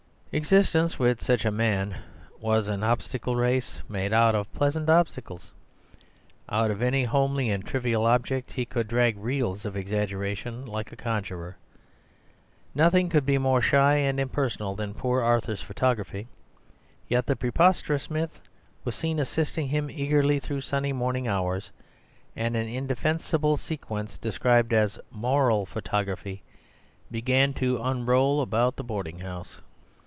Existence with such a man was an obstacle race made out of pleasant obstacles. Out of any homely and trivial object he could drag reels of exaggeration, like a conjurer. Nothing could be more shy and impersonal than poor Arthur's photography. Yet the preposterous Smith was seen assisting him eagerly through sunny morning hours, and an indefensible sequence described as "Moral Photography" began to unroll about the boarding house.